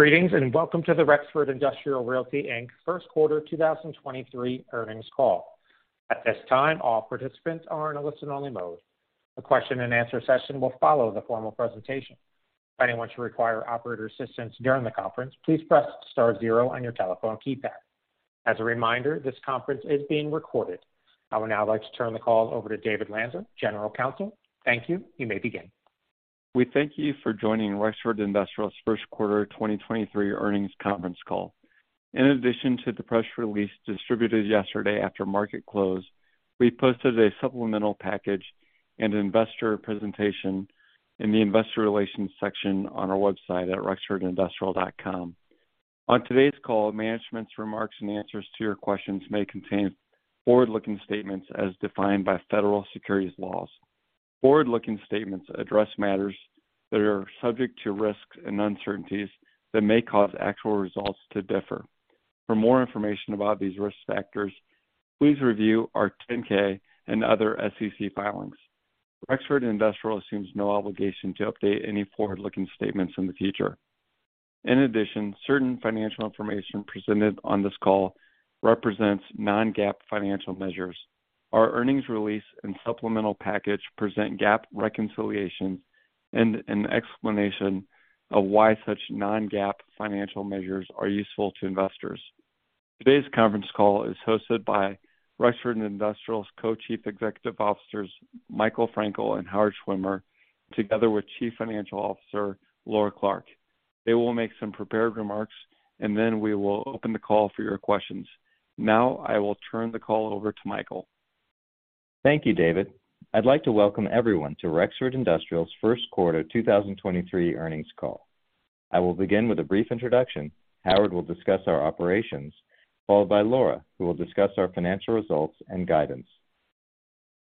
Greetings, welcome to the Rexford Industrial Realty Inc. first quarter 2023 earnings call. At this time, all participants are in a listen-only mode. The question and answer session will follow the formal presentation. If anyone should require operator assistance during the conference, please press star zero on your telephone keypad. As a reminder, this conference is being recorded. I would now like to turn the call over to David Lanza, General Counsel. Thank you. You may begin. We thank you for joining Rexford Industrial's first quarter 2023 earnings conference call. In addition to the press release distributed yesterday after market close, we posted a supplemental package and investor presentation in the investor relations section on our website at rexfordindustrial.com. On today's call, management's remarks and answers to your questions may contain forward-looking statements as defined by federal securities laws. Forward-looking statements address matters that are subject to risks and uncertainties that may cause actual results to differ. For more information about these risk factors, please review our 10-K and other SEC filings. Rexford Industrial assumes no obligation to update any forward-looking statements in the future. In addition, certain financial information presented on this call represents non-GAAP financial measures. Our earnings release and supplemental package present GAAP reconciliations and an explanation of why such non-GAAP financial measures are useful to investors. Today's conference call is hosted by Rexford Industrial's Co-Chief Executive Officers, Michael Frankel and Howard Schwimmer, together with Chief Financial Officer, Laura Clark. They will make some prepared remarks. Then we will open the call for your questions. Now I will turn the call over to Michael. Thank you, David. I'd like to welcome everyone to Rexford Industrial's first quarter 2023 earnings call. I will begin with a brief introduction. Howard will discuss our operations, followed by Laura, who will discuss our financial results and guidance.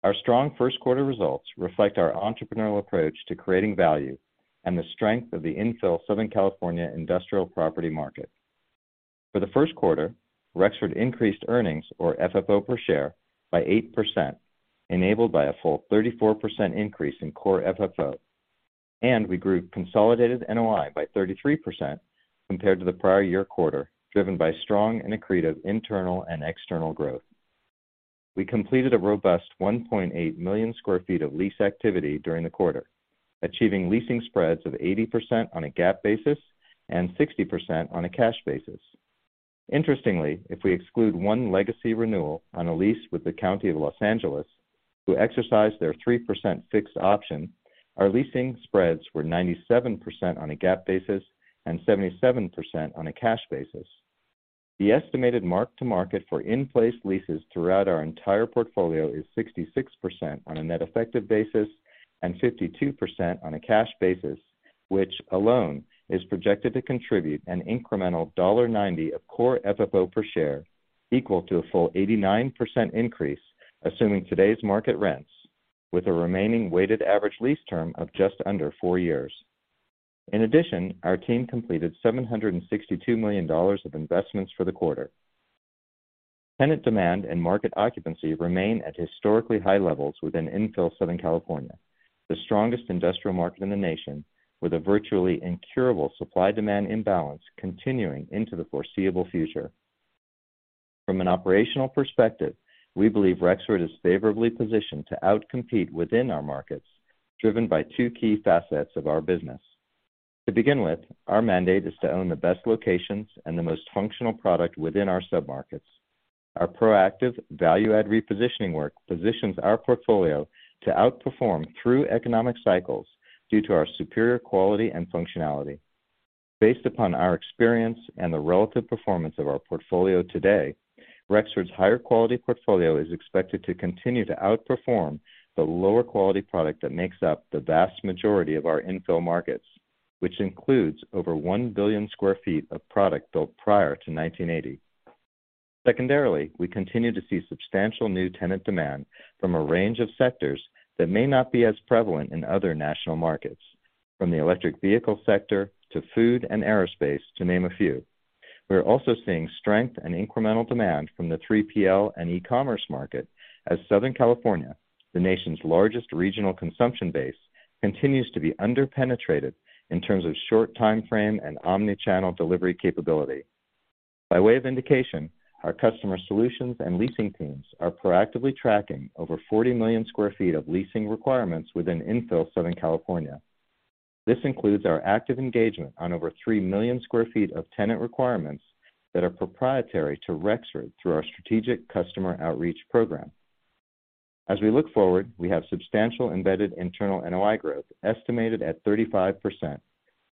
Our strong first quarter results reflect our entrepreneurial approach to creating value and the strength of the infill Southern California industrial property market. For the first quarter, Rexford increased earnings or FFO per share by 8%, enabled by a full 34% increase in Core FFO. We grew consolidated NOI by 33% compared to the prior year quarter, driven by strong and accretive internal and external growth. We completed a robust 1.8 million square feet of lease activity during the quarter, achieving leasing spreads of 80% on a GAAP basis and 60% on a cash basis. Interestingly, if we exclude one legacy renewal on a lease with the County of Los Angeles, who exercised their 3% fixed option, our leasing spreads were 97% on a GAAP basis and 77% on a cash basis. The estimated mark-to-market for in-place leases throughout our entire portfolio is 66% on a net effective basis and 52% on a cash basis, which alone is projected to contribute an incremental $1.90 of Core FFO per share, equal to a full 89% increase, assuming today's market rents, with a remaining weighted average lease term of just under four years. In addition, our team completed $762 million of investments for the quarter. Tenant demand and market occupancy remain at historically high levels within infill Southern California, the strongest industrial market in the nation, with a virtually incurable supply-demand imbalance continuing into the foreseeable future. From an operational perspective, we believe Rexford is favorably positioned to outcompete within our markets, driven by two key facets of our business. To begin with, our mandate is to own the best locations and the most functional product within our submarkets. Our proactive value add repositioning work positions our portfolio to outperform through economic cycles due to our superior quality and functionality. Based upon our experience and the relative performance of our portfolio today, Rexford's higher quality portfolio is expected to continue to outperform the lower quality product that makes up the vast majority of our infill markets, which includes over 1 billion sq ft of product built prior to 1980. Secondarily, we continue to see substantial new tenant demand from a range of sectors that may not be as prevalent in other national markets, from the electric vehicle sector to food and aerospace, to name a few. We're also seeing strength and incremental demand from the 3PL and e-commerce market as Southern California, the nation's largest regional consumption base, continues to be underpenetrated in terms of short timeframe and omni-channel delivery capability. By way of indication, our customer solutions and leasing teams are proactively tracking over 40 million sq ft of leasing requirements within infill Southern California. This includes our active engagement on over 3 million sq ft of tenant requirements that are proprietary to Rexford through our strategic customer outreach program. As we look forward, we have substantial embedded internal NOI growth, estimated at 35%,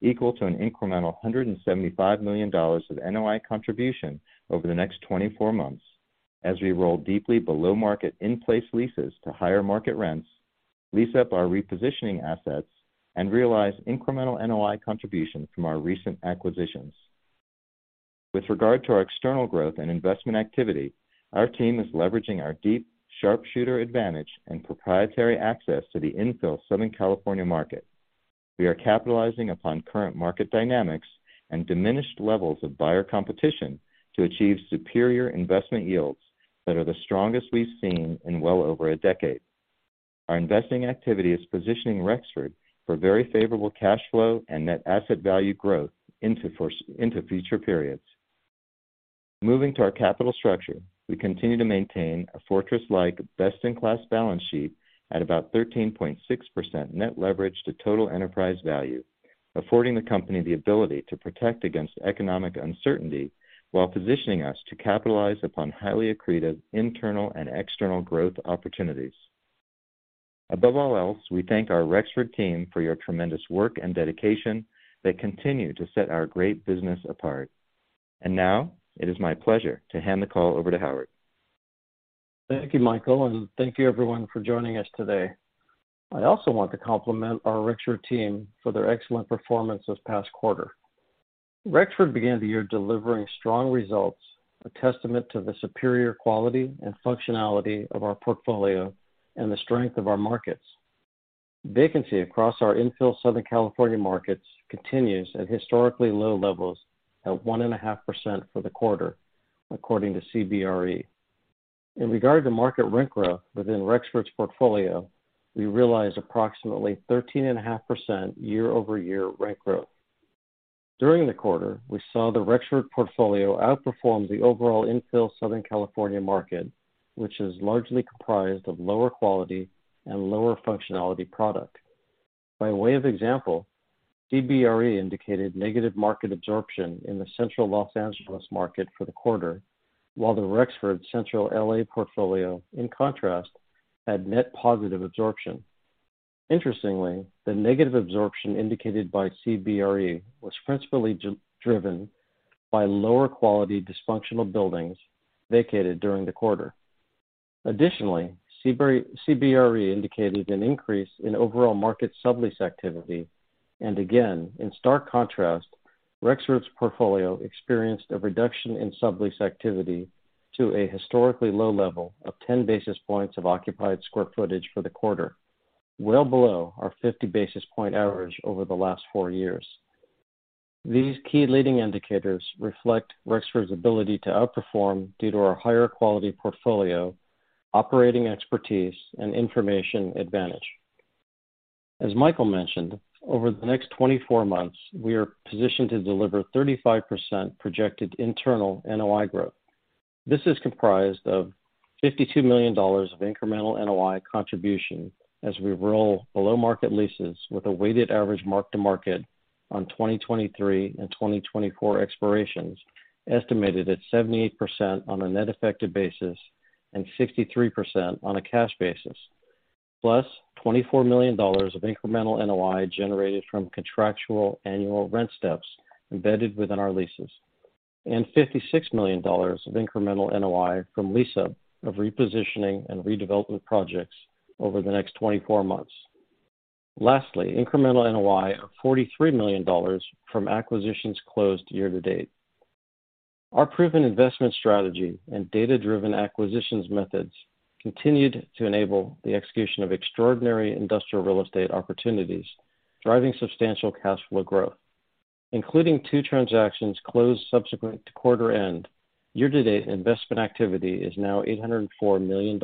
equal to an incremental $175 million of NOI contribution over the next 24 months, as we roll deeply below market in-place leases to higher market rents, lease up our repositioning assets, and realize incremental NOI contribution from our recent acquisitions. With regard to our external growth and investment activity, our team is leveraging our deep sharpshooter advantage and proprietary access to the infill Southern California market. We are capitalizing upon current market dynamics and diminished levels of buyer competition to achieve superior investment yields that are the strongest we've seen in well over one decade. Our investing activity is positioning Rexford for very favorable cash flow and net asset value growth into future periods. Moving to our capital structure, we continue to maintain a fortress-like best in class balance sheet at about 13.6% net leverage to total enterprise value, affording the company the ability to protect against economic uncertainty while positioning us to capitalize upon highly accretive internal and external growth opportunities. Above all else, we thank our Rexford team for your tremendous work and dedication that continue to set our great business apart. Now it is my pleasure to hand the call over to Howard. Thank you, Michael, thank you everyone for joining us today. I also want to compliment our Rexford team for their excellent performance this past quarter. Rexford began the year delivering strong results, a testament to the superior quality and functionality of our portfolio and the strength of our markets. Vacancy across our infill Southern California markets continues at historically low levels at 1.5% for the quarter, according to CBRE. In regard to market rent growth within Rexford's portfolio, we realized approximately 13.5% year-over-year rent growth. During the quarter, we saw the Rexford portfolio outperform the overall infill Southern California market, which is largely comprised of lower quality and lower functionality product. By way of example, CBRE indicated negative market absorption in the Central Los Angeles market for the quarter, while the Rexford Central L.A. portfolio, in contrast, had net positive absorption. Interestingly, the negative absorption indicated by CBRE was principally driven by lower quality dysfunctional buildings vacated during the quarter. Additionally, CBRE indicated an increase in overall market sublease activity. Again, in stark contrast, Rexford's portfolio experienced a reduction in sublease activity to a historically low level of 10 basis points of occupied square footage for the quarter, well below our 50 basis point average over the last four years. These key leading indicators reflect Rexford's ability to outperform due to our higher quality portfolio, operating expertise, and information advantage. As Michael mentioned, over the next 24 months, we are positioned to deliver 35% projected internal NOI growth. This is comprised of $52 million of incremental NOI contribution as we roll below market leases with a weighted average mark-to-market on 2023 and 2024 expirations, estimated at 78% on a net effective basis and 63% on a cash basis. $24 million of incremental NOI generated from contractual annual rent steps embedded within our leases, and $56 million of incremental NOI from lease up of repositioning and redevelopment projects over the next 24 months. Lastly, incremental NOI of $43 million from acquisitions closed year-to-date. Our proven investment strategy and data-driven acquisitions methods continued to enable the execution of extraordinary industrial real estate opportunities, driving substantial cash flow growth. Including two transactions closed subsequent to quarter end, year to date investment activity is now $804 million,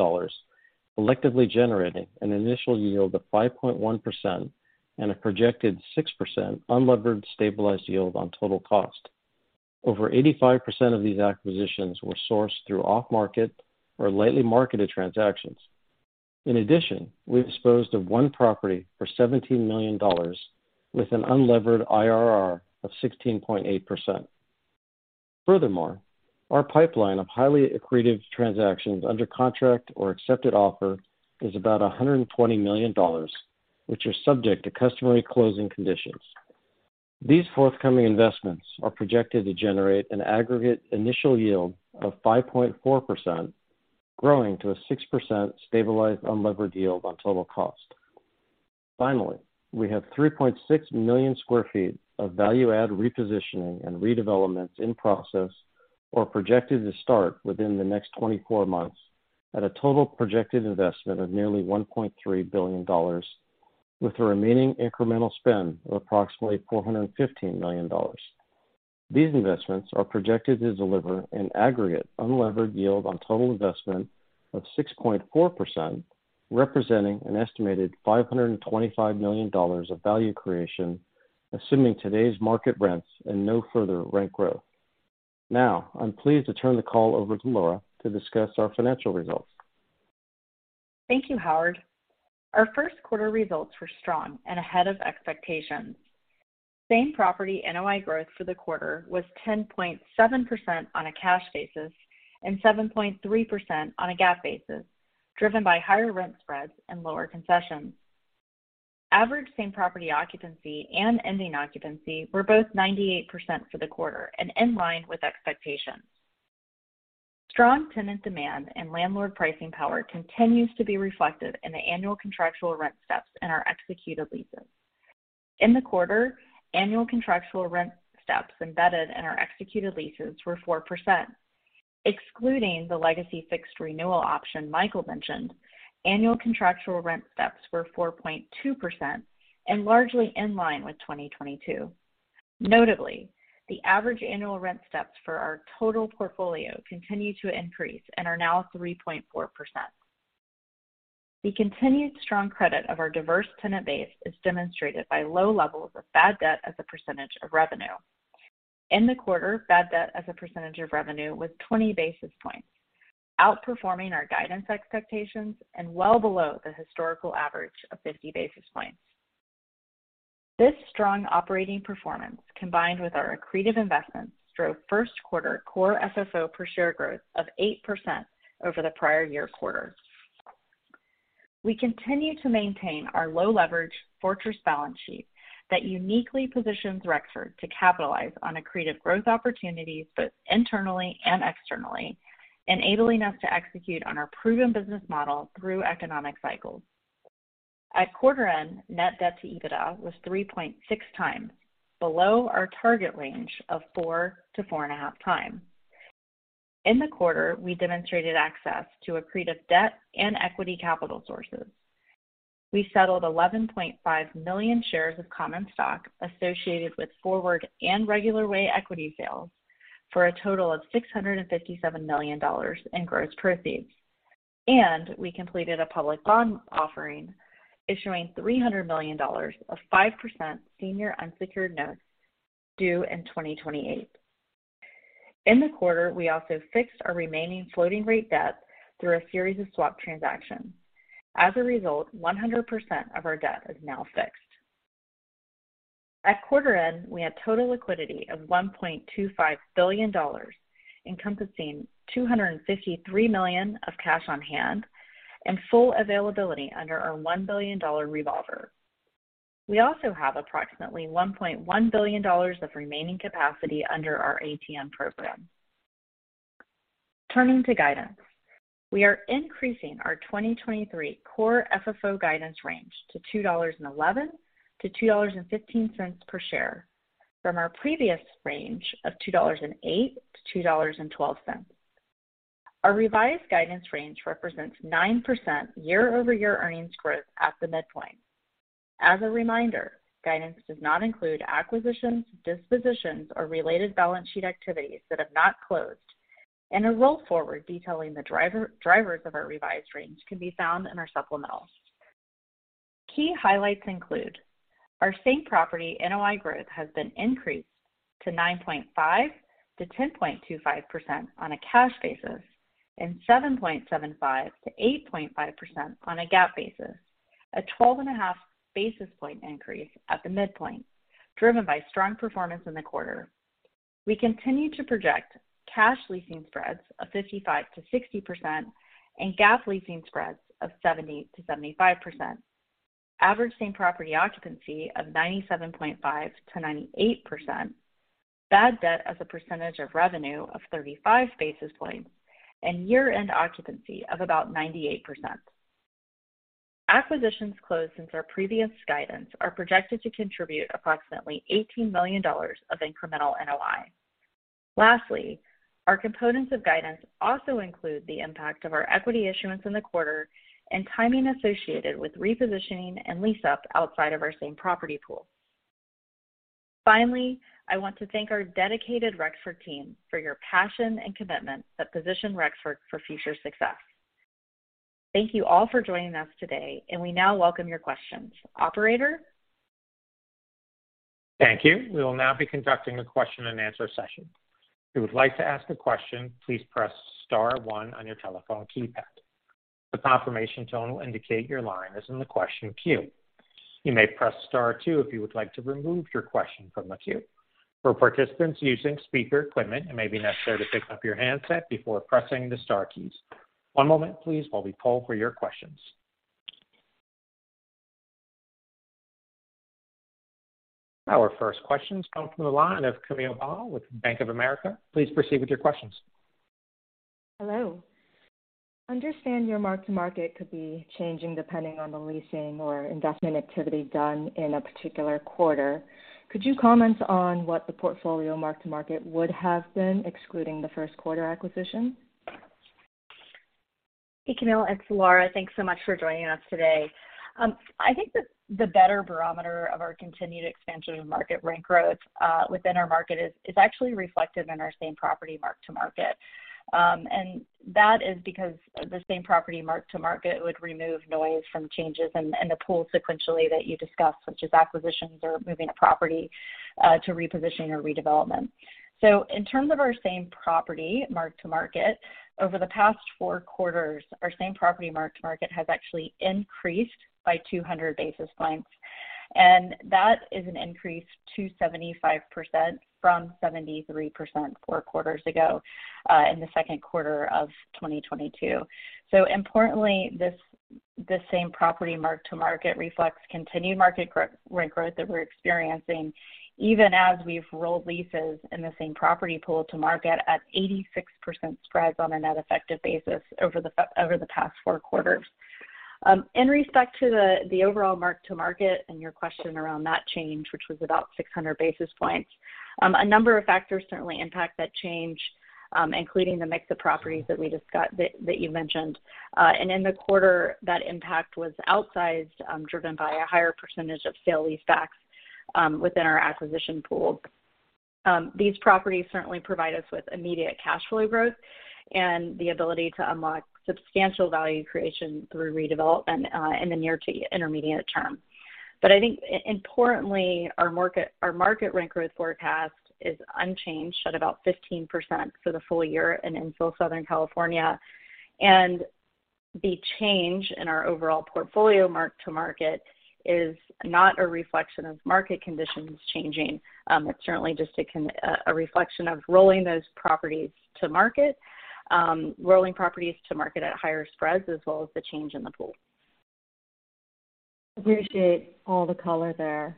collectively generating an initial yield of 5.1% and a projected 6% unlevered stabilized yield on total cost. Over 85% of these acquisitions were sourced through off market or lightly marketed transactions. In addition, we disposed of one property for $17 million with an unlevered IRR of 16.8%. Furthermore, our pipeline of highly accretive transactions under contract or accepted offer is about $120 million, which are subject to customary closing conditions. These forthcoming investments are projected to generate an aggregate initial yield of 5.4%, growing to a 6% stabilized unlevered yield on total cost. We have 3.6 million sq ft of value add repositioning and redevelopments in process or projected to start within the next 24 months at a total projected investment of nearly $1.3 billion, with a remaining incremental spend of approximately $415 million. These investments are projected to deliver an aggregate unlevered yield on total investment of 6.4%, representing an estimated $525 million of value creation, assuming today's market rents and no further rent growth. I'm pleased to turn the call over to Laura to discuss our financial results. Thank you, Howard. Our first quarter results were strong and ahead of expectations. Same property NOI growth for the quarter was 10.7% on a cash basis and 7.3% on a GAAP basis, driven by higher rent spreads and lower concessions. Average same property occupancy and ending occupancy were both 98% for the quarter and in line with expectations. Strong tenant demand and landlord pricing power continues to be reflected in the annual contractual rent steps in our executed leases. In the quarter, annual contractual rent steps embedded in our executed leases were 4%. Excluding the legacy fixed renewal option Michael mentioned, annual contractual rent steps were 4.2% and largely in line with 2022. Notably, the average annual rent steps for our total portfolio continue to increase and are now 3.4%. The continued strong credit of our diverse tenant base is demonstrated by low levels of bad debt as a percentage of revenue. In the quarter, bad debt as a percentage of revenue was 20 basis points, outperforming our guidance expectations and well below the historical average of 50 basis points. This strong operating performance, combined with our accretive investments, drove first quarter Core FFO per share growth of 8% over the prior year quarter. We continue to maintain our low leverage fortress balance sheet that uniquely positions Rexford to capitalize on accretive growth opportunities, both internally and externally, enabling us to execute on our proven business model through economic cycles. At quarter end, net debt to EBITDA was 3.6x, below our target range of 4 to 4.5x. In the quarter, we demonstrated access to accretive debt and equity capital sources. We settled 11.5 million shares of common stock associated with forward and regular way equity sales for a total of $657 million in gross proceeds. We completed a public bond offering, issuing $300 million of 5% senior unsecured notes due in 2028. In the quarter, we also fixed our remaining floating rate debt through a series of swap transactions. As a result, 100% of our debt is now fixed. At quarter end, we had total liquidity of $1.25 billion, encompassing $253 million of cash on hand and full availability under our $1 billion revolver. We also have approximately $1.1 billion of remaining capacity under our ATM program. Turning to guidance. We are increasing our 2023 Core FFO guidance range to $2.11-$2.15 per share from our previous range of $2.08-$2.12. Our revised guidance range represents 9% year-over-year earnings growth at the midpoint. As a reminder, guidance does not include acquisitions, dispositions, or related balance sheet activities that have not closed. A roll forward detailing the drivers of our revised range can be found in our supplemental. Key highlights include our same property NOI growth has been increased to 9.5%-10.25% on a cash basis, and 7.75%-8.5% on a GAAP basis, a 12.5 basis point increase at the midpoint, driven by strong performance in the quarter. We continue to project cash leasing spreads of 55%-60% and GAAP leasing spreads of 70%-75%. Average same property occupancy of 97.5%-98%, bad debt as a percentage of revenue of 35 basis points, and year-end occupancy of about 98%. Acquisitions closed since our previous guidance are projected to contribute approximately $18 million of incremental NOI. Our components of guidance also include the impact of our equity issuance in the quarter and timing associated with repositioning and lease up outside of our same property pool. I want to thank our dedicated Rexford team for your passion and commitment that position Rexford for future success. Thank you all for joining us today, and we now welcome your questions. Operator? Thank you. We will now be conducting a question and answer session. If you would like to ask a question, please press star one on your telephone keypad. The confirmation tone will indicate your line is in the question queue. You may press Star two if you would like to remove your question from the queue. For participants using speaker equipment, it may be necessary to pick up your handset before pressing the star keys. One moment please while we poll for your questions. Our first question comes from the line of Camille Bonnel with Bank of America. Please proceed with your questions. Hello. I understand your mark-to-market could be changing depending on the leasing or investment activity done in a particular quarter. Could you comment on what the portfolio mark-to-market would have been excluding the first quarter acquisition? Hey, Camille. It's Laura. Thanks so much for joining us today. I think the better barometer of our continued expansion of market rent growth within our market is actually reflected in our same property mark-to-market. And that is because the same property mark-to-market would remove noise from changes in the pool sequentially that you discussed, which is acquisitions or moving a property to repositioning or redevelopment. In terms of our same property mark-to-market, over the past four quarters, our same property mark-to-market has actually increased by 200 basis points, and that is an increase to 75% from 73% four quarters ago in the second quarter of 2022. Importantly, this same property mark-to-market reflects continued market rent growth that we're experiencing even as we've rolled leases in the same property pool to market at 86% spreads on a net effective basis over the past four quarters. In respect to the overall mark-to-market and your question around that change, which was about 600 basis points, a number of factors certainly impact that change, including the mix of properties that you mentioned. In the quarter, that impact was outsized, driven by a higher percentage of sale leasebacks within our acquisition pool. These properties certainly provide us with immediate cash flow growth and the ability to unlock substantial value creation through redevelop and in the near to intermediate term. I think importantly, our market, our market rent growth forecast is unchanged at about 15% for the full year in Infill Southern California. The change in our overall portfolio mark-to-market is not a reflection of market conditions changing. It's certainly just a reflection of rolling those properties to market, rolling properties to market at higher spreads as well as the change in the pool. Appreciate all the color there.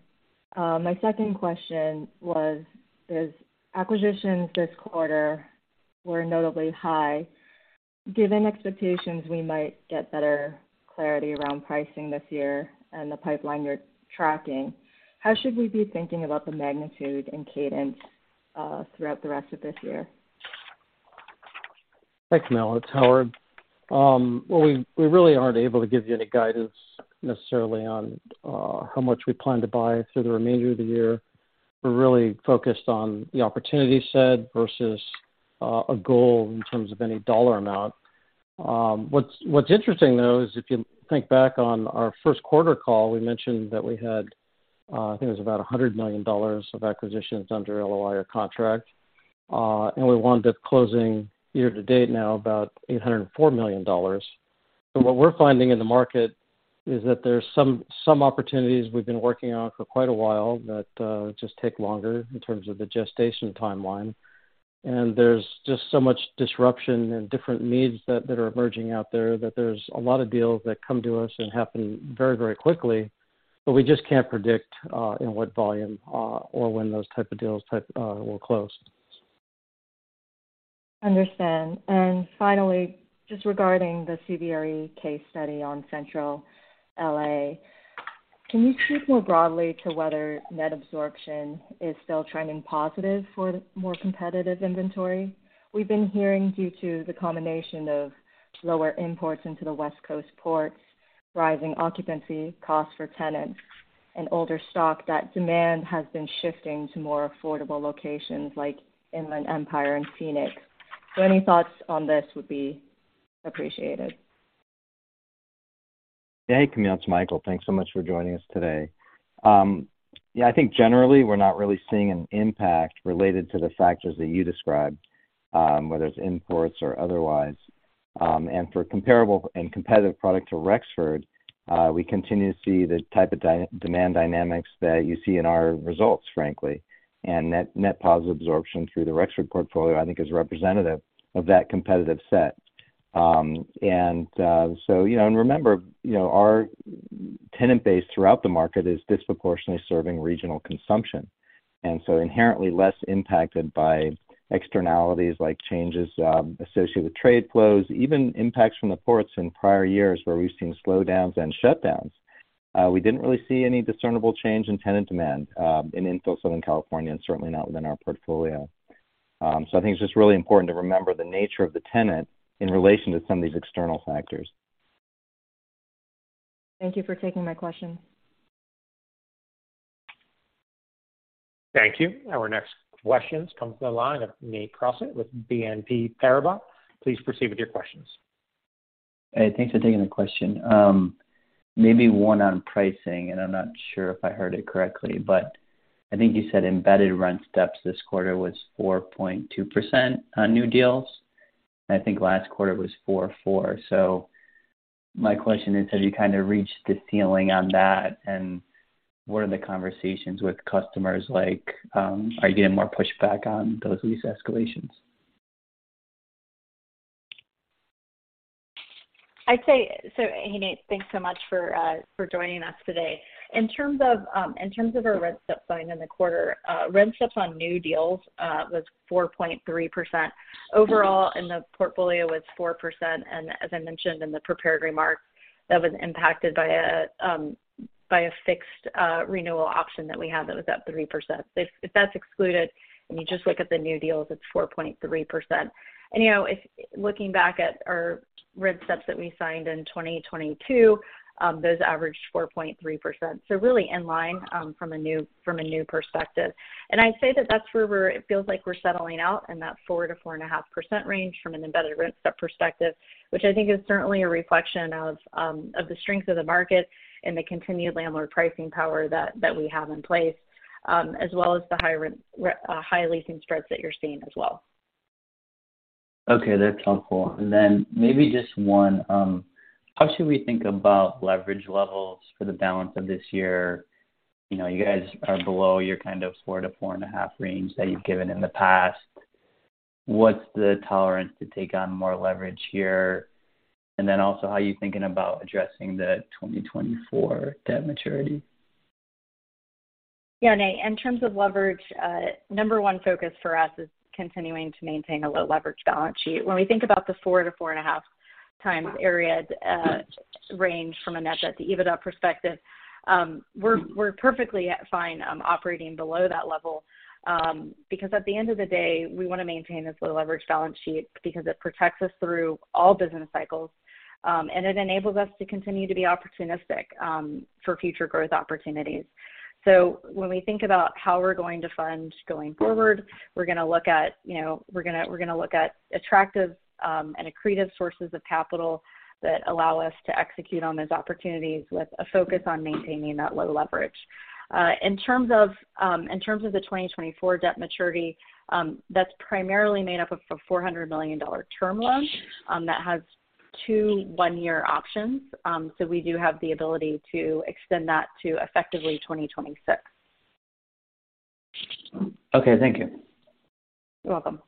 My second question was, as acquisitions this quarter were notably high, given expectations we might get better clarity around pricing this year and the pipeline you're tracking, how should we be thinking about the magnitude and cadence, throughout the rest of this year? Thanks, Melissa. It's Howard. Well, we really aren't able to give you any guidance necessarily on how much we plan to buy through the remainder of the year. We're really focused on the opportunity set versus a goal in terms of any dollar amount. What's interesting, though, is if you think back on our first quarter call, we mentioned that we had, I think it was about $100 million of acquisitions under LOI or contract, and we wound up closing year to date now about $804 million. What we're finding in the market is that there's some opportunities we've been working on for quite a while that just take longer in terms of the gestation timeline. There's just so much disruption and different needs that are emerging out there, that there's a lot of deals that come to us and happen very, very quickly, but we just can't predict in what volume or when those type of deals will close. Understand. Finally, just regarding the CBRE case study on Central L.A., can you speak more broadly to whether net absorption is still trending positive for more competitive inventory? We've been hearing due to the combination of lower imports into the West Coast ports, rising occupancy costs for tenants and older stock, that demand has been shifting to more affordable locations like Inland Empire and Phoenix. Any thoughts on this would be appreciated. Hey, Camille, it's Michael. Thanks so much for joining us today. Yeah, I think generally we're not really seeing an impact related to the factors that you described, whether it's imports or otherwise. For comparable and competitive product to Rexford, we continue to see the type of demand dynamics that you see in our results, frankly. Net positive absorption through the Rexford portfolio, I think is representative of that competitive set. You know. Remember, you know, our tenant base throughout the market is disproportionately serving regional consumption, and so inherently less impacted by externalities like changes associated with trade flows, even impacts from the ports in prior years where we've seen slowdowns and shutdowns. We didn't really see any discernible change in tenant demand in Infill Southern California and certainly not within our portfolio. I think it's just really important to remember the nature of the tenant in relation to some of these external factors. Thank you for taking my question. Thank you. Our next questions comes from the line of Nate Crossett with BNP Paribas. Please proceed with your questions. Hey, thanks for taking the question. maybe one on pricing, and I'm not sure if I heard it correctly, but I think you said embedded rent steps this quarter was 4.2% on new deals. I think last quarter was 4.4%. My question is, have you kind of reached the ceiling on that? What are the conversations with customers like? Are you getting more pushback on those lease escalations? I'd say. Hey, Nate, thanks so much for joining us today. In terms of our rent step signed in the quarter, rent steps on new deals was 4.3%. Overall in the portfolio was 4%. As I mentioned in the prepared remarks, that was impacted by a fixed renewal option that we had that was at 3%. If that's excluded and you just look at the new deals, it's 4.3%. You know, if looking back at our rent steps that we signed in 2022, those averaged 4.3%. Really in line from a new perspective. I'd say that that's where it feels like we're settling out in that 4%-4.5% range from an embedded rent step perspective, which I think is certainly a reflection of the strength of the market and the continued landlord pricing power that we have in place, as well as the high leasing spreads that you're seeing as well. Okay, that's helpful. Maybe just one, how should we think about leverage levels for the balance of this year? You know, you guys are below your kind of 4-4.5 range that you've given in the past. What's the tolerance to take on more leverage here? Also, how are you thinking about addressing the 2024 debt maturity? Yeah, Nate, in terms of leverage, number one focus for us is continuing to maintain a low leverage balance sheet. When we think about the 4 to 4.5x area, range from a net at the EBITDA perspective, we're perfectly fine operating below that level, because at the end of the day, we wanna maintain this low leverage balance sheet because it protects us through all business cycles, and it enables us to continue to be opportunistic for future growth opportunities. When we think about how we're going to fund going forward, we're gonna look at, you know, we're gonna look at attractive and accretive sources of capital that allow us to execute on those opportunities with a focus on maintaining that low leverage. In terms of the 2024 debt maturity, that's primarily made up of $400 million term loan that has two one-year options. We do have the ability to extend that to effectively 2026. Okay. Thank you. You're welcome.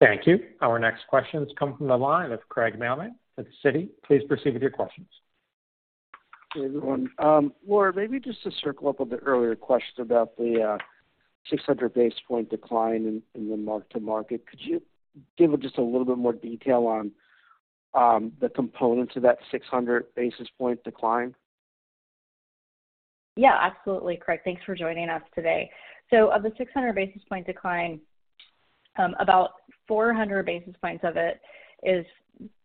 Thank you. Our next question is coming from the line of Craig Mailman at Citi. Please proceed with your questions. Hey, everyone. Laura, maybe just to circle up on the earlier question about the 600 basis point decline in the mark-to-market. Could you give just a little bit more detail on the components of that 600 basis point decline? Yeah, absolutely, Craig. Thanks for joining us today. Of the 600 basis point decline, about 400 basis points of it is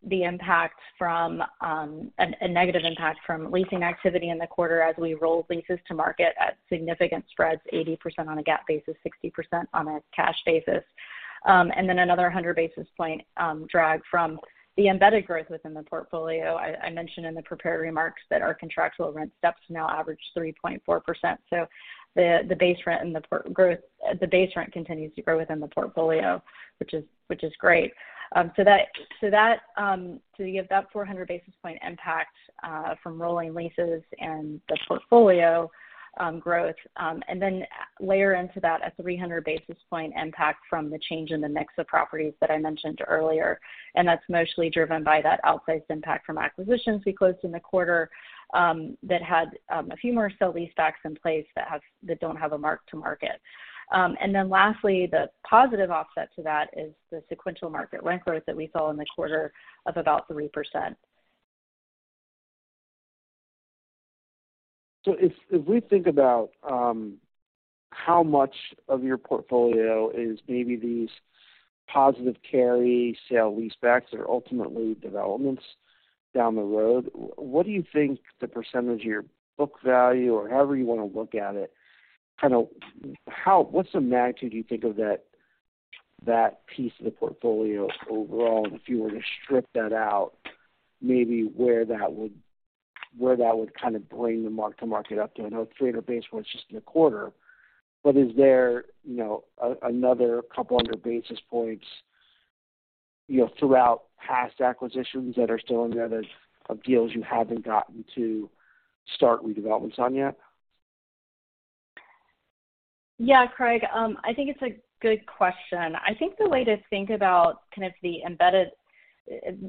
the impact from a negative impact from leasing activity in the quarter as we roll leases to market at significant spreads, 80% on a GAAP basis, 60% on a cash basis. Then another 100 basis point drag from the embedded growth within the portfolio. I mentioned in the prepared remarks that our contractual rent steps now average 3.4%. The base rent continues to grow within the portfolio, which is great. That you have that 400 basis point impact from rolling leases and the portfolio growth. Layer into that a 300 basis point impact from the change in the mix of properties that I mentioned earlier. That's mostly driven by that outsized impact from acquisitions we closed in the quarter, that had a few more sale-leasebacks in place that don't have a mark-to-market. Lastly, the positive offset to that is the sequential market rent growth that we saw in the quarter of about 3%. If we think about how much of your portfolio is maybe these positive carry sale-leasebacks or ultimately developments down the road, what do you think the percentage of your book value or however you wanna look at it, kind of what's the magnitude you think of that piece of the portfolio overall if you were to strip that out, maybe where that would kind of bring the mark-to-market up to? I know it's 300 basis points just in the quarter. Is there, you know, another couple hundred basis points, you know, throughout past acquisitions that are still in there that are deals you haven't gotten to start redevelopments on yet? Yeah, Craig. I think it's a good question. I think the way to think about kind of the embedded...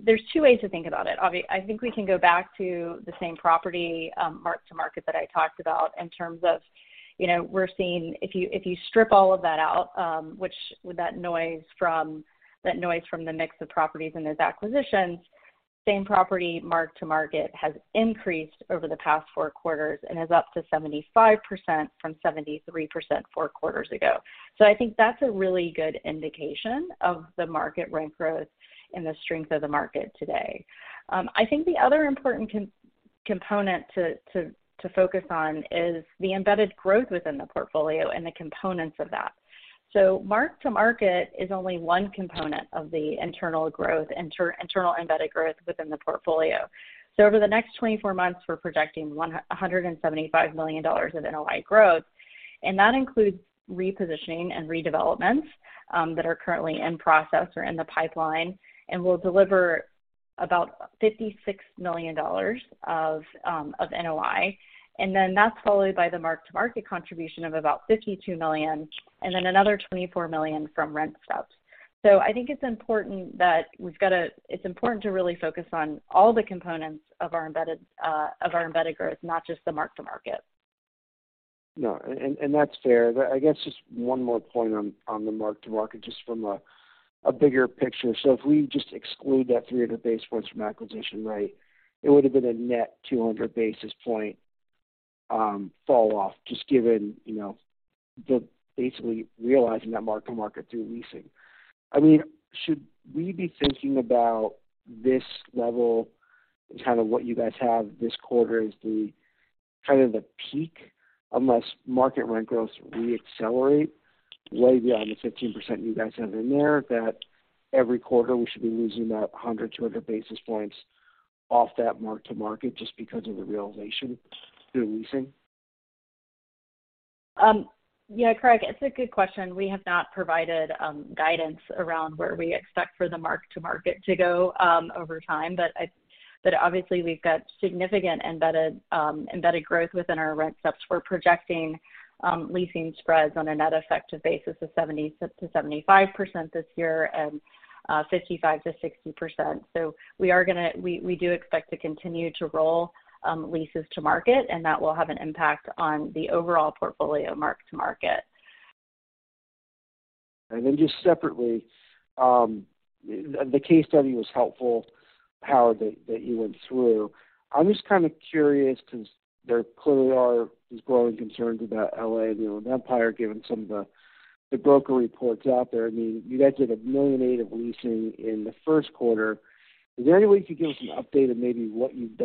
There's two ways to think about it. I think we can go back to the same property mark-to-market that I talked about in terms of, you know, we're seeing if you, if you strip all of that out, which with that noise from the mix of properties and those acquisitions, same property mark-to-market has increased over the past four quarters and is up to 75% from 73% four quarters ago. I think that's a really good indication of the market rent growth and the strength of the market today. I think the other important component to focus on is the embedded growth within the portfolio and the components of that. Mark-to-market is only one component of the internal growth, embedded growth within the portfolio. Over the next 24 months, we're projecting $175 million of NOI growth, and that includes repositioning and redevelopments that are currently in process or in the pipeline and will deliver about $56 million of NOI. That's followed by the mark-to-market contribution of about $52 million and then another $24 million from rent steps. I think it's important to really focus on all the components of our embedded growth, not just the mark-to-market. That's fair. I guess just one more point on the mark-to-market, just from a bigger picture. If we just exclude that 300 basis points from acquisition rate, it would've been a net 200 basis point fall off just given, you know, the basically realizing that mark-to-market through leasing. I mean, should we be thinking about this level as kind of what you guys have this quarter as the kind of the peak unless market rent growth re-accelerate way beyond the 15% you guys have in there, that every quarter we should be losing that 100, 200 basis points off that mark-to-market just because of the realization through leasing? Craig, it's a good question. We have not provided guidance around where we expect for the mark-to-market to go over time. Obviously we've got significant embedded embedded growth within our rent steps. We're projecting leasing spreads on a net effective basis of 70%-75% this year and 55%-60%. We do expect to continue to roll leases to market, and that will have an impact on the overall portfolio mark-to-market. Just separately, the case study was helpful, Howard, that you went through. I'm just kind of curious 'cause there clearly are these growing concerns about L.A. and the Empire, given some of the broker reports out there. I mean, you guys did $1.8 million of leasing in the first quarter. Is there any way you could give us an update of maybe what you've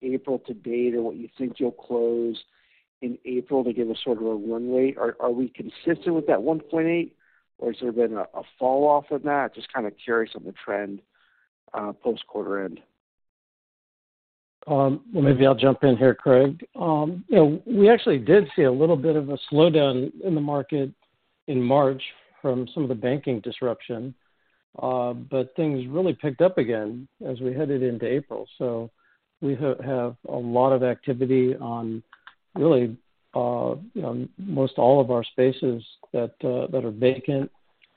done April to date or what you think you'll close in April to give us sort of a run rate? Are we consistent with that 1.8, or has there been a fall off of that? Just kind of curious on the trend post quarter end. Well, maybe I'll jump in here, Craig. You know, we actually did see a little bit of a slowdown in the market in March from some of the banking disruption, but things really picked up again as we headed into April. We have a lot of activity on really, you know, most all of our spaces that are vacant.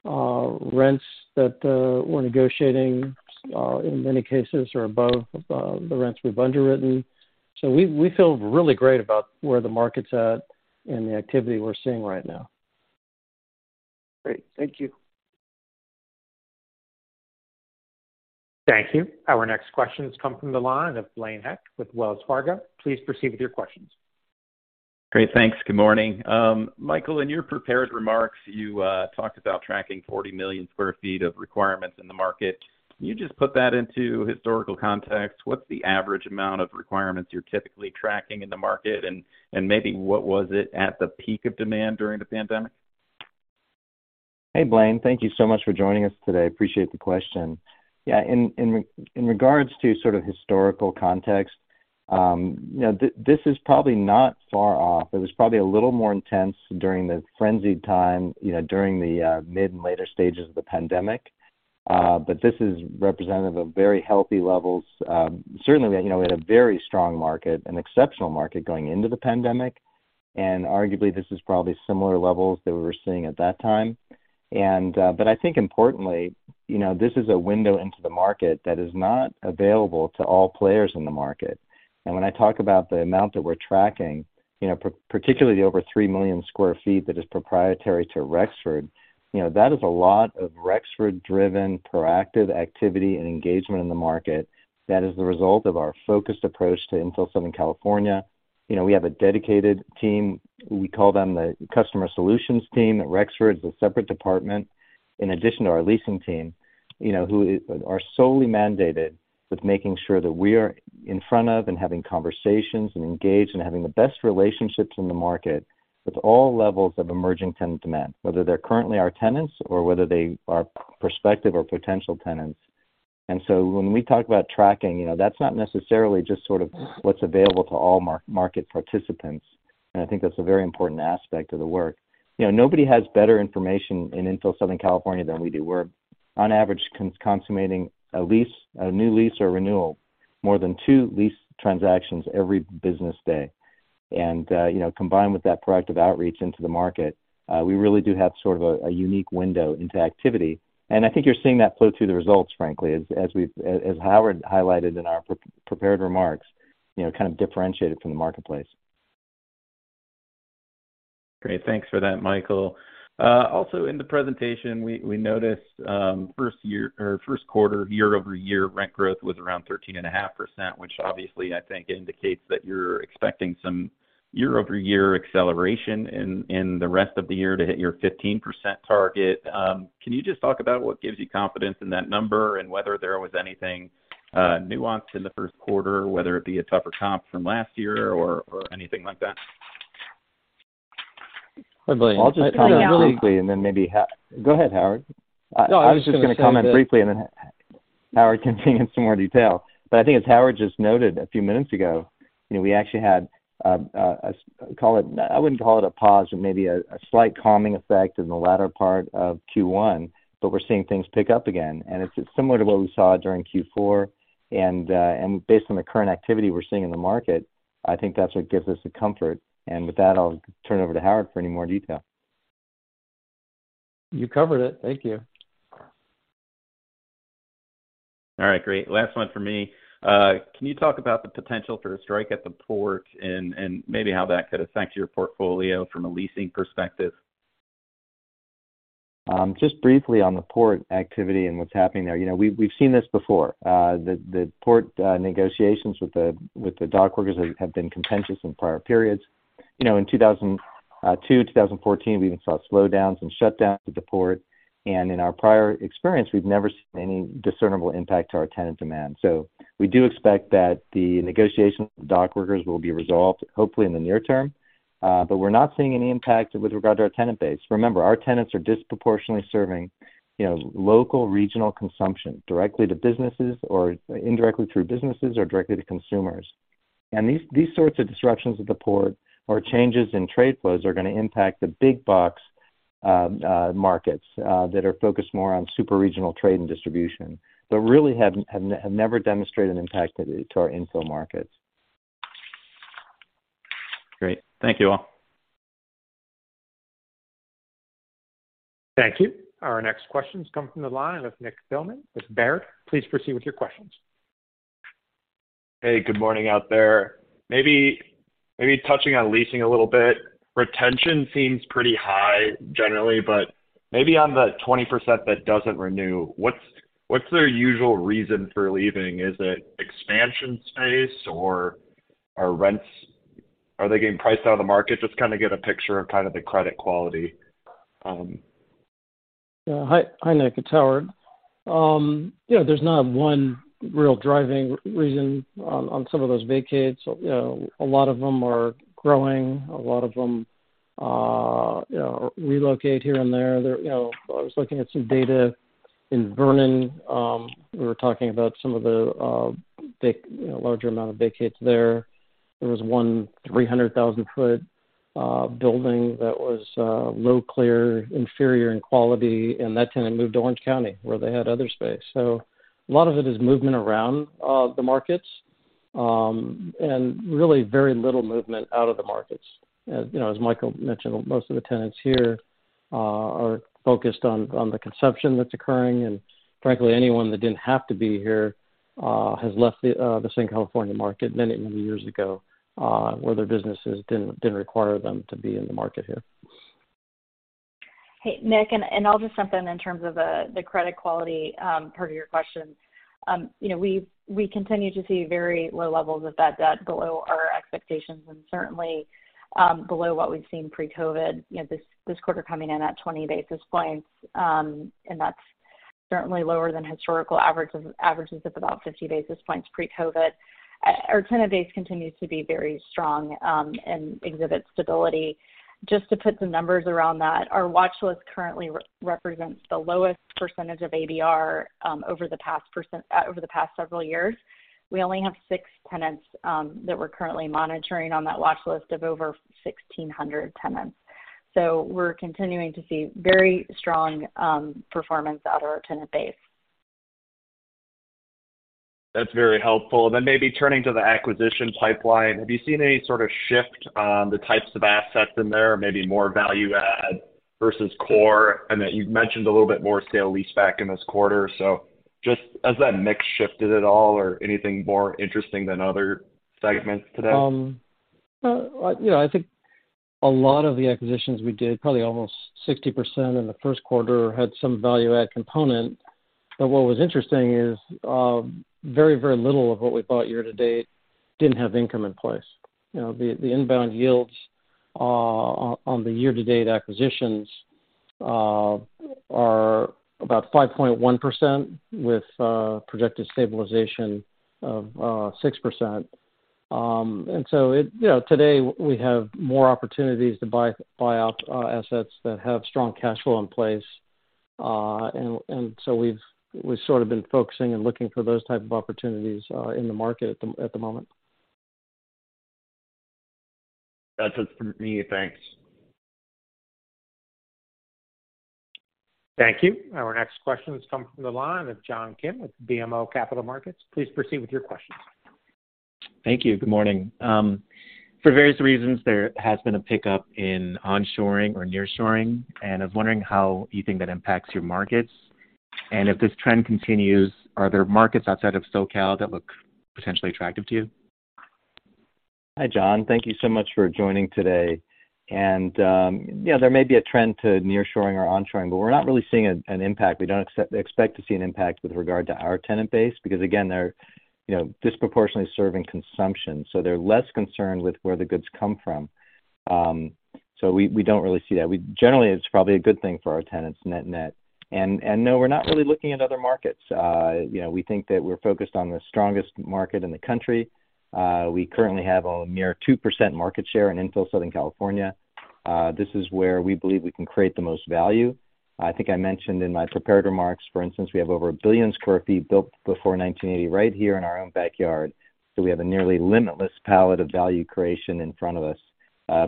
Rents that we're negotiating in many cases are above the rents we've underwritten. We feel really great about where the market's at and the activity we're seeing right now. Great. Thank you. Thank you. Our next question comes from the line of Blaine Heck with Wells Fargo. Please proceed with your questions. Great. Thanks. Good morning. Michael, in your prepared remarks, you talked about tracking 40 million square feet of requirements in the market. Can you just put that into historical context? What's the average amount of requirements you're typically tracking in the market? Maybe what was it at the peak of demand during the pandemic? Hey, Blaine. Thank you so much for joining us today. Appreciate the question. Yeah. In regards to sort of historical context, you know, this is probably not far off. It was probably a little more intense during the frenzied time, you know, during the mid and later stages of the pandemic. This is representative of very healthy levels. Certainly, you know, we had a very strong market, an exceptional market going into the pandemic, and arguably this is probably similar levels that we were seeing at that time. I think importantly, you know, this is a window into the market that is not available to all players in the market. When I talk about the amount that we're tracking, you know, particularly the over 3 million square feet that is proprietary to Rexford, you know, that is a lot of Rexford driven proactive activity and engagement in the market. That is the result of our focused approach to infill Southern California. You know, we have a dedicated team. We call them the customer solutions team at Rexford. It's a separate department in addition to our leasing team, you know, who are solely mandated with making sure that we are in front of and having conversations and engaged and having the best relationships in the market with all levels of emerging tenant demand, whether they're currently our tenants or whether they are prospective or potential tenants. When we talk about tracking, you know, that's not necessarily just sort of what's available to all market participants. I think that's a very important aspect of the work. You know, nobody has better information in infill Southern California than we do. We're on average consummating a lease, a new lease or renewal, more than two lease transactions every business day. You know, combined with that proactive outreach into the market, we really do have sort of a unique window into activity. I think you're seeing that flow through the results, frankly, as Howard highlighted in our pre-prepared remarks, you know, kind of differentiated from the marketplace. Great. Thanks for that, Michael. Also in the presentation, we noticed first year or first quarter year-over-year rent growth was around 13.5%, which obviously I think indicates that you're expecting some year-over-year acceleration in the rest of the year to hit your 15% target. Can you just talk about what gives you confidence in that number and whether there was anything nuanced in the first quarter, whether it be a tougher comp from last year or anything like that? No, I was just gonna say. I was just gonna comment briefly, and then Howard can bring in some more detail. I think as Howard just noted a few minutes ago, you know, we actually had, I wouldn't call it a pause or maybe a slight calming effect in the latter part of Q1, but we're seeing things pick up again. It's similar to what we saw during Q4. Based on the current activity we're seeing in the market, I think that's what gives us the comfort. With that, I'll turn it over to Howard for any more detail. You covered it. Thank you. All right. Great. Last one for me. Can you talk about the potential for a strike at the port and maybe how that could affect your portfolio from a leasing perspective? Just briefly on the port activity and what's happening there. You know, we've seen this before. The port negotiations with the dock workers have been contentious in prior periods. You know, in 2002, 2014, we even saw slowdowns and shutdowns at the port. In our prior experience, we've never seen any discernible impact to our tenant demand. We do expect that the negotiations with the dock workers will be resolved hopefully in the near term. We're not seeing any impact with regard to our tenant base. Remember, our tenants are disproportionately serving, you know, local regional consumption directly to businesses or indirectly through businesses or directly to consumers. These sorts of disruptions at the port or changes in trade flows are gonna impact the big box markets that are focused more on super regional trade and distribution, but really have never demonstrated an impact to our infill markets. Great. Thank you all. Thank you. Our next question comes from the line of Nick Thillman with Baird. Please proceed with your questions. Hey, good morning out there. Maybe touching on leasing a little bit. Retention seems pretty high generally, but maybe on the 20% that doesn't renew, what's their usual reason for leaving? Is it expansion space or are they getting priced out of the market? Just kinda get a picture of kind of the credit quality. Yeah. Hi, Nick. It's Howard. Yeah, there's not one real driving reason on some of those vacates. You know, a lot of them are growing, a lot of them, you know, relocate here and there. They're, you know. I was looking at some data in Vernon, we were talking about some of the, you know, larger amount of vacates there. There was one 300,000 foot building that was low clear, inferior in quality, and that tenant moved to Orange County where they had other space. A lot of it is movement around the markets and really very little movement out of the markets. You know, as Michael mentioned, most of the tenants here are focused on the consumption that's occurring. Frankly, anyone that didn't have to be here, has left the Southern California market many, many years ago, where their businesses didn't require them to be in the market here. Hey, Nick. I'll just jump in in terms of the credit quality part of your question. You know, we continue to see very low levels of bad debt below our expectations and certainly below what we've seen pre-COVID. You know, this quarter coming in at 20 basis points, and that's certainly lower than historical averages of about 50 basis points pre-COVID. Our tenant base continues to be very strong and exhibits stability. Just to put some numbers around that, our watch list currently re-represents the lowest percentage of ADR over the past several years. We only have six tenants that we're currently monitoring on that watch list of over 1,600 tenants. We're continuing to see very strong performance out of our tenant base. That's very helpful. Maybe turning to the acquisition pipeline. Have you seen any sort of shift on the types of assets in there, maybe more value add versus core? I know you've mentioned a little bit more sale-leaseback in this quarter. Just has that mix shifted at all or anything more interesting than other segments today? You know, I think a lot of the acquisitions we did, probably almost 60% in the first quarter, had some value add component. What was interesting is, very, very little of what we bought year to date didn't have income in place. You know, the inbound yields on the year to date acquisitions are about 5.1% with projected stabilization of 6%. You know, today we have more opportunities to buy out assets that have strong cash flow in place. We've sort of been focusing and looking for those type of opportunities in the market at the moment. That's it for me. Thanks. Thank you. Our next question comes from the line of John Kim with BMO Capital Markets. Please proceed with your questions. Thank you. Good morning. For various reasons, there has been a pickup in onshoring or nearshoring, and I was wondering how you think that impacts your markets. If this trend continues, are there markets outside of SoCal that look potentially attractive to you? Hi, John. Thank you so much for joining today. Yeah, there may be a trend to nearshoring or onshoring, but we're not really seeing an impact. We don't expect to see an impact with regard to our tenant base because again, they're, you know, disproportionately serving consumption, so they're less concerned with where the goods come from. So we don't really see that. Generally, it's probably a good thing for our tenants net-net. No, we're not really looking at other markets. You know, we think that we're focused on the strongest market in the country. We currently have a mere 2% market share in infill Southern California. This is where we believe we can create the most value. I think I mentioned in my prepared remarks, for instance, we have over 1 billion square feet built before 1980 right here in our own backyard. We have a nearly limitless palette of value creation in front of us,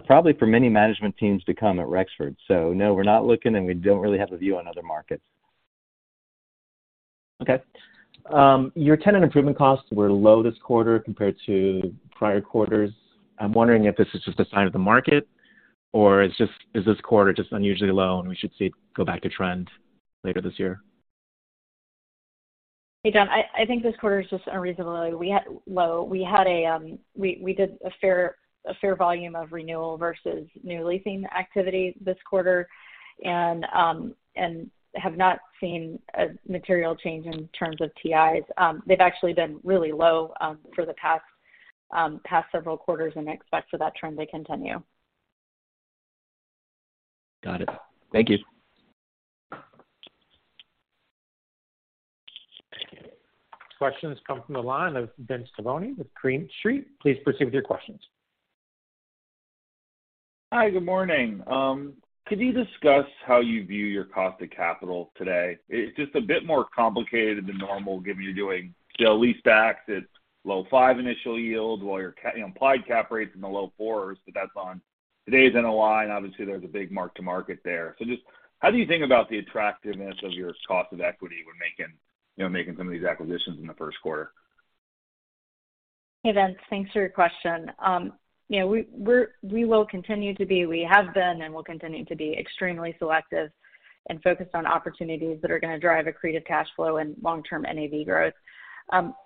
probably for many management teams to come at Rexford. No, we're not looking, and we don't really have a view on other markets. Okay. Your tenant improvement costs were low this quarter compared to prior quarters. I'm wondering if this is just a sign of the market or is this quarter just unusually low, and we should see it go back to trend later this year? Hey, John. I think this quarter is just unreasonably low. We did a fair volume of renewal versus new leasing activity this quarter and have not seen a material change in terms of TIs. They've actually been really low for the past several quarters and expect for that trend to continue. Got it. Thank you. Questions come from the line of Vince Tibone with Green Street. Please proceed with your questions. Hi. Good morning. could you discuss how you view your cost of capital today? It's just a bit more complicated than normal given you're doing sale leasebacks at low five initial yield, while your you know, applied cap rates in the low fours, but that's on today's NOI, and obviously, there's a big mark-to-market there. Just how do you think about the attractiveness of your cost of equity when making, you know, making some of these acquisitions in the first quarter? Hey, Vince. Thanks for your question. You know, we will continue to be, we have been and will continue to be extremely selective and focused on opportunities that are gonna drive accreted cash flow and long-term NAV growth. You know,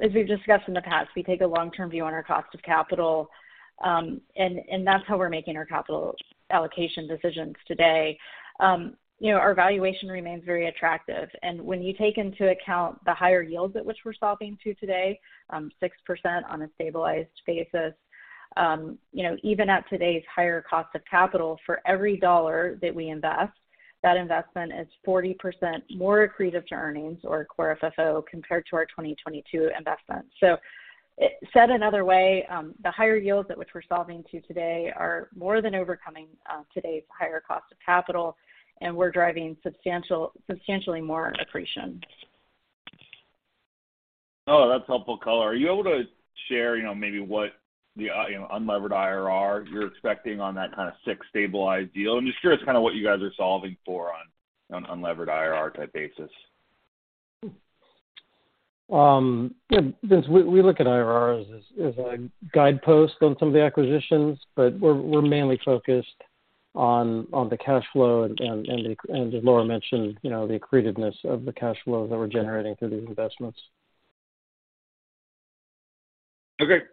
as we've discussed in the past, we take a long-term view on our cost of capital, and that's how we're making our capital allocation decisions today. You know, our valuation remains very attractive. When you take into account the higher yields at which we're solving to today, 6% on a stabilized basis, you know, even at today's higher cost of capital for every dollar that we invest, that investment is 40% more accretive to earnings or Core FFO compared to our 2022 investment. Said another way, the higher yields at which we're solving to today are more than overcoming, today's higher cost of capital, and we're driving substantially more accretion. Oh, that's helpful color. Are you able to share, you know, maybe what the you know, unlevered IRR you're expecting on that kind of six stabilized deal? I'm just curious kinda what you guys are solving for on unlevered IRR type basis. Yeah. Since we look at IRRs as a guidepost on some of the acquisitions, we're mainly focused on the cash flow and as Laura mentioned, you know, the accretiveness of the cash flows that we're generating through these investments. Okay.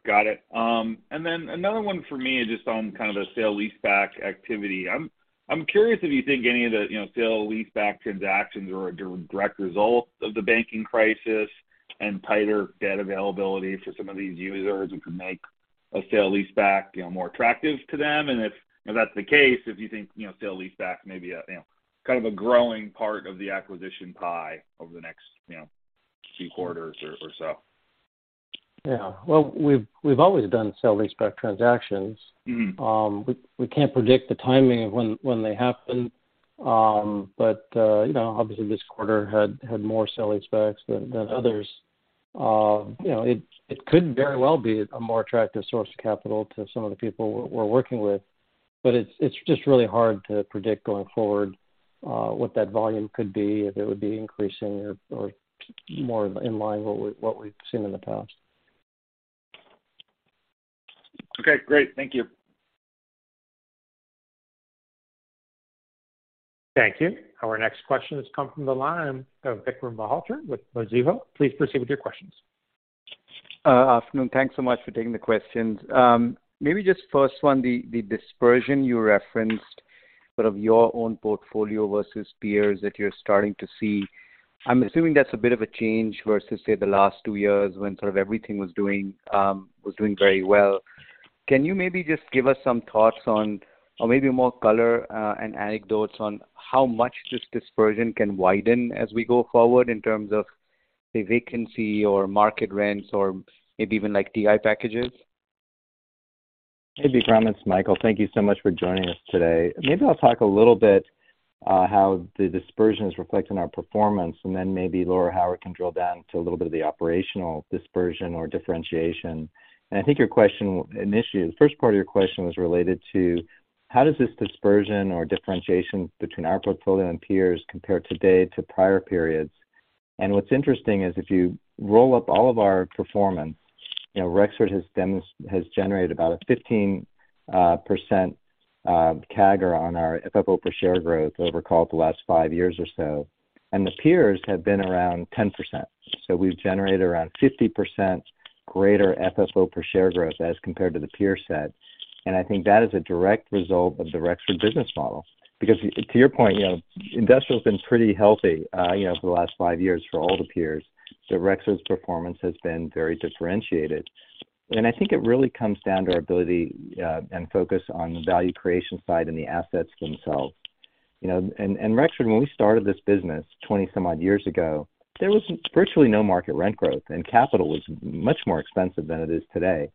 Got it. Another one for me, just on kind of a sale leaseback activity. I'm curious if you think any of the, you know, sale leaseback transactions are a direct result of the banking crisis and tighter debt availability for some of these users, which would make a sale leaseback, you know, more attractive to them. If that's the case, if you think, you know, sale leaseback may be a, you know, kind of a growing part of the acquisition pie over the next, you know, few quarters or so? Yeah. Well, we've always done sale leaseback transactions. Mm-hmm. We can't predict the timing of when they happen. You know, obviously this quarter had more sale leasebacks than others. You know, it could very well be a more attractive source of capital to some of the people we're working with, but it's just really hard to predict going forward, what that volume could be, if it would be increasing or more in line with what we've seen in the past. Okay, great. Thank you. Thank you. Our next question has come from the line of Vikram Malhotra with Mizuho. Please proceed with your questions. Afternoon. Thanks so much for taking the questions. Maybe just first one, the dispersion you referenced, sort of your own portfolio versus peers that you're starting to see, I'm assuming that's a bit of a change versus, say, the last two years when sort of everything was doing very well. Can you maybe just give us some thoughts on or maybe more color and anecdotes on how much this dispersion can widen as we go forward in terms of, say, vacancy or market rents or maybe even like TI packages? Maybe promise, Michael. Thank you so much for joining us today. Maybe I'll talk a little bit how the dispersion is reflected in our performance, and then maybe Laura or Howard can drill down to a little bit of the operational dispersion or differentiation. The first part of your question was related to how does this dispersion or differentiation between our portfolio and peers compare today to prior periods. What's interesting is if you roll up all of our performance, you know, Rexford has generated about a 15% CAGR on our FFO per share growth over, call it, the last five years or so, and the peers have been around 10%. We've generated around 50% greater FFO per share growth as compared to the peer set. I think that is a direct result of the Rexford business model. Because to your point, you know, industrial's been pretty healthy, you know, for the last five years for all the peers. Rexford's performance has been very differentiated. I think it really comes down to our ability and focus on the value creation side and the assets themselves. You know, Rexford, when we started this business 20 some odd years ago, there was virtually no market rent growth, and capital was much more expensive than it is today.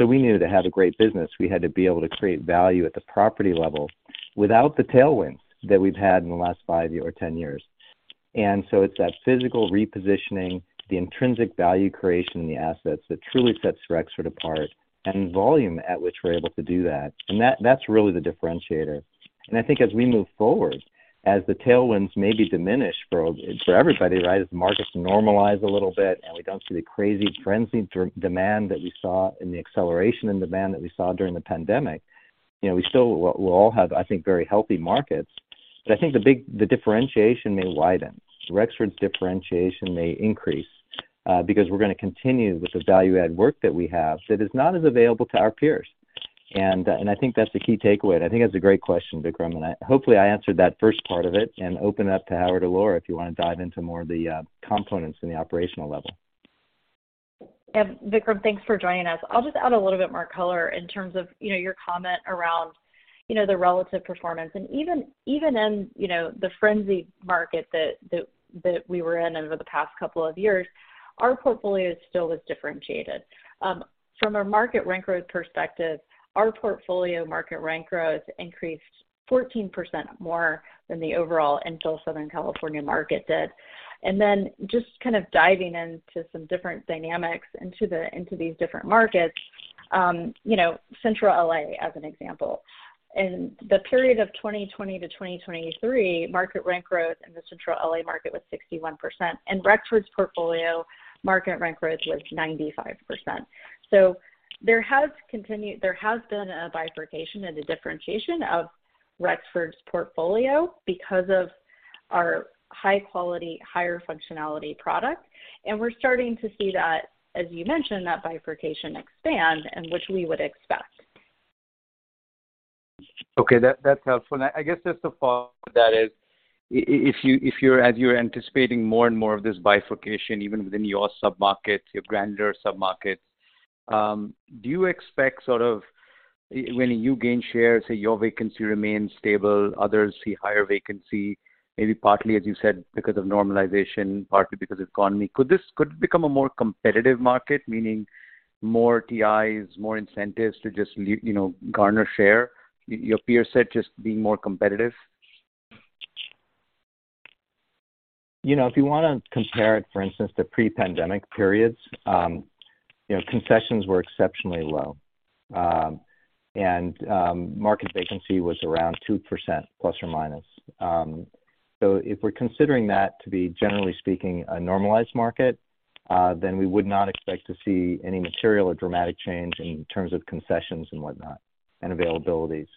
We knew to have a great business, we had to be able to create value at the property level without the tailwinds that we've had in the last five or 10 years. It's that physical repositioning, the intrinsic value creation in the assets that truly sets Rexford apart, and the volume at which we're able to do that. That's really the differentiator. I think as we move forward, as the tailwinds maybe diminish for everybody, right? As markets normalize a little bit and we don't see the crazy frenzy demand that we saw and the acceleration in demand that we saw during the pandemic, you know, we still we'll all have, I think, very healthy markets. I think the differentiation may widen. Rexford's differentiation may increase, because we're gonna continue with the value add work that we have that is not as available to our peers. I think that's the key takeaway. I think that's a great question, Vikram. Hopefully, I answered that first part of it and open it up to Howard or Laura if you wanna dive into more of the components in the operational level. Yeah. Vikram, thanks for joining us. I'll just add a little bit more color in terms of, you know, your comment around, you know, the relative performance. Even, even in, you know, the frenzy market that we were in over the past couple of years, our portfolio still was differentiated. From a market rent growth perspective, our portfolio market rent growth increased 14% more than the overall industrial Southern California market did. Then just kind of diving into some different dynamics into these different markets, you know, Central L.A. as an example. In the period of 2020 to 2023, market rent growth in the Central L.A. market was 61%, and Rexford's portfolio market rent growth was 95%. There has been a bifurcation and a differentiation of Rexford's portfolio because of our high quality, higher functionality product. We're starting to see that, as you mentioned, that bifurcation expand and which we would expect. Okay. That's helpful. I guess just a follow-up to that is if you're as you're anticipating more and more of this bifurcation, even within your sub-markets, your grander sub-markets, do you expect sort of when you gain shares, say your vacancy remains stable, others see higher vacancy, maybe partly, as you said, because of normalization, partly because of economy? Could it become a more competitive market, meaning more TIs, more incentives to just you know, garner share? Your peers set just being more competitive. You know, if you wanna compare it, for instance, to pre-pandemic periods, you know, concessions were exceptionally low. Market vacancy was around 2% ±. If we're considering that to be, generally speaking, a normalized market, then we would not expect to see any material or dramatic change in terms of concessions and whatnot, and availabilities.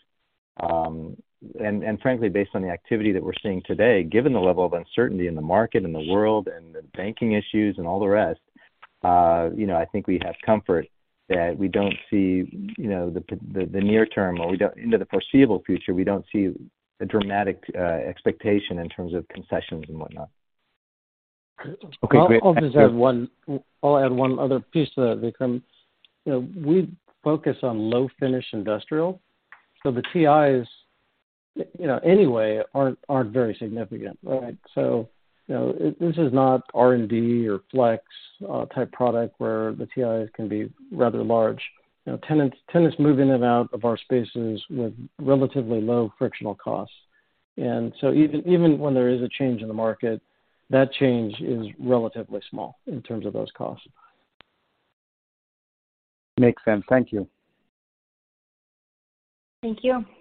Frankly, based on the activity that we're seeing today, given the level of uncertainty in the market and the world and the banking issues and all the rest, you know, I think we have comfort that we don't see, you know, the near term or we don't into the foreseeable future, we don't see a dramatic expectation in terms of concessions and whatnot. Okay, great. I'll add one other piece to that, Vikram. You know, we focus on low finish industrial, so the TIs, you know, anyway, aren't very significant, right? You know, this is not R&D or flex type product where the TIs can be rather large. You know, tenants move in and out of our spaces with relatively low frictional costs. Even when there is a change in the market, that change is relatively small in terms of those costs. Makes sense. Thank you. Thank you. Thank you.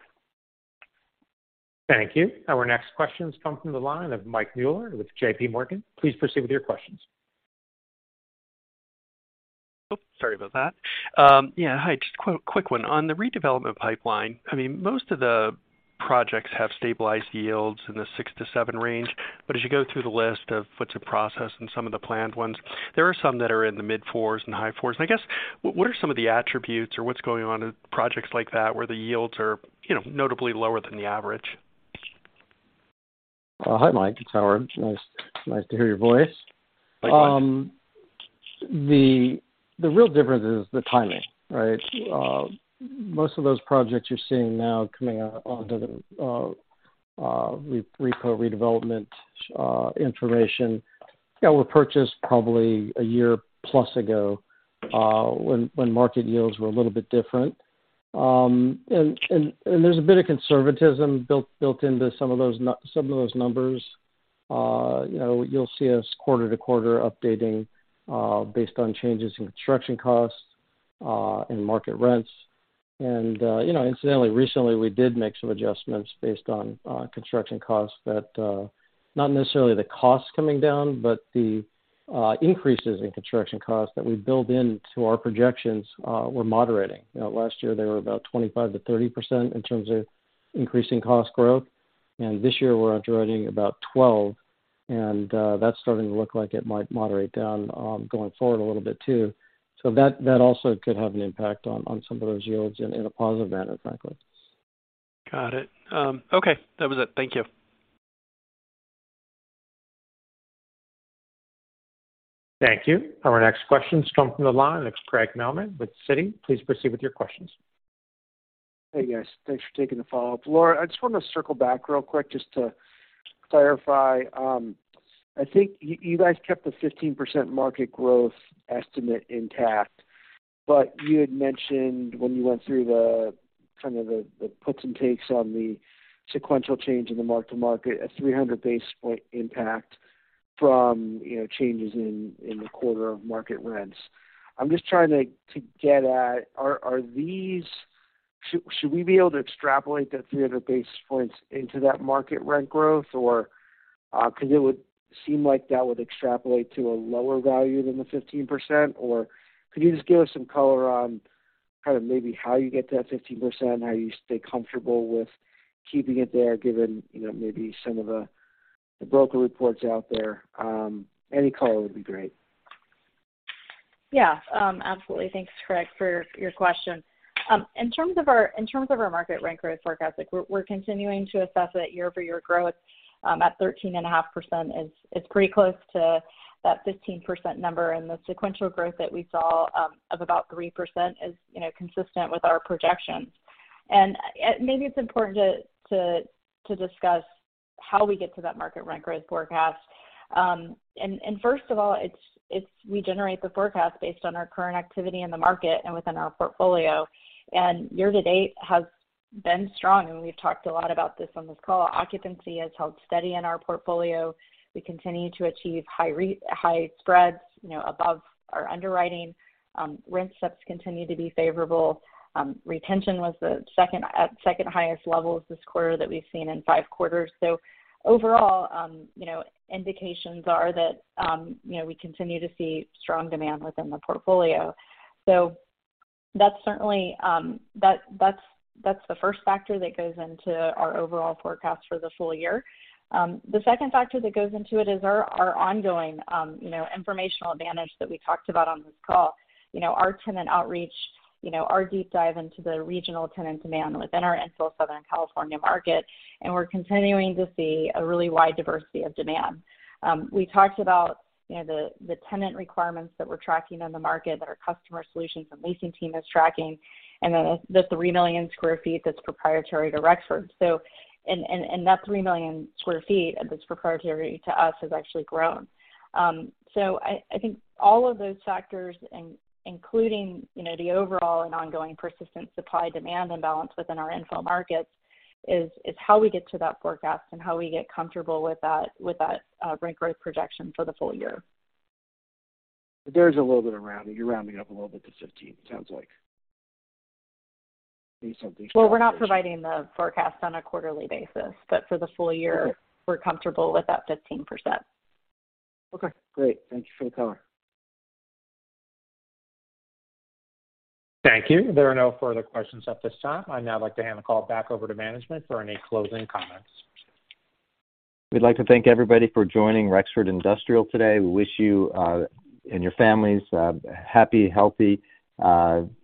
Our next question comes from the line of Michael Mueller with JPMorgan. Please proceed with your questions. Oops, sorry about that. Yeah. Hi, just a quick one. On the redevelopment pipeline, I mean, most of the projects have stabilized yields in the 6%-7% range. As you go through the list of what's in process and some of the planned ones, there are some that are in the mid-fours and high fours. I guess, what are some of the attributes or what's going on in projects like that where the yields are, you know, notably lower than the average? Hi, Mike, it's Howard. Nice to hear your voice. Hi, Howard. The real difference is the timing, right? Most of those projects you're seeing now coming out onto the redevelopment information were purchased probably a year plus ago when market yields were a little bit different. And there's a bit of conservatism built into some of those numbers. You know, you'll see us quarter to quarter updating based on changes in construction costs and market rents. You know, incidentally, recently, we did make some adjustments based on construction costs that not necessarily the costs coming down, but the increases in construction costs that we build into our projections were moderating. You know, last year they were about 25%-30% in terms of increasing cost growth. This year, we're underwriting about 12, and that's starting to look like it might moderate down, going forward a little bit too. That, that also could have an impact on some of those yields in a positive manner, frankly. Got it. Okay. That was it. Thank you. Thank you. Our next question comes from the line of Craig Mailman with Citi. Please proceed with your questions. Hey, guys. Thanks for taking the follow-up. Laura, I just wanna circle back real quick just to clarify. I think you guys kept the 15% market growth estimate intact, but you had mentioned when you went through kind of the puts and takes on the sequential change in the mark-to-market, a 300 basis point impact from, you know, changes in the quarter of market rents. I'm just trying to get at, are these... Should we be able to extrapolate that 300 basis points into that market rent growth? Or 'cause it would seem like that would extrapolate to a lower value than the 15%. Could you just give us some color on kind of maybe how you get to that 15%, how you stay comfortable with keeping it there, given, you know, maybe some of the broker reports out there? Any color would be great. Yeah, absolutely. Thanks, Craig, for your question. In terms of our market rent growth forecast, like we're continuing to assess that year-over-year growth, at 13.5% is pretty close to that 15% number. The sequential growth that we saw, of about 3% is, you know, consistent with our projections. Maybe it's important to discuss how we get to that market rent growth forecast. First of all, it's, we generate the forecast based on our current activity in the market and within our portfolio. Year to date has been strong, and we've talked a lot about this on this call. Occupancy has held steady in our portfolio. We continue to achieve high spreads, you know, above our underwriting. Rent steps continue to be favorable. Retention was at second highest level this quarter that we've seen in five quarters. Overall, you know, indications are that, you know, we continue to see strong demand within the portfolio. That's certainly, that's the first factor that goes into our overall forecast for this full year. The second factor that goes into it is our ongoing, you know, informational advantage that we talked about on this call. You know, our tenant outreach, you know, our deep dive into the regional tenant demand within our infill Southern California market, we're continuing to see a really wide diversity of demand. We talked about, you know, the tenant requirements that we're tracking in the market that our customer solutions and leasing team is tracking, and then the 3 million sq ft that's proprietary to Rexford. That 3 million sq ft that's proprietary to us has actually grown. I think all of those factors including, you know, the overall and ongoing persistent supply-demand imbalance within our infill markets is how we get to that forecast and how we get comfortable with that rent growth projection for the full year. There's a little bit of rounding. You're rounding up a little bit to 15, it sounds like. We're not providing the forecast on a quarterly basis, but for the full year. Okay. we're comfortable with that 15%. Okay, great. Thank you for the color. Thank you. There are no further questions at this time. I'd now like to hand the call back over to management for any closing comments. We'd like to thank everybody for joining Rexford Industrial today. We wish you and your families a happy, healthy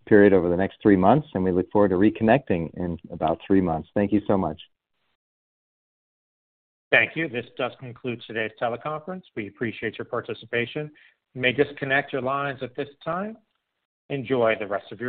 period over the next three months, we look forward to reconnecting in about three months. Thank you so much. Thank you. This does conclude today's teleconference. We appreciate your participation. You may disconnect your lines at this time. Enjoy the rest of your day.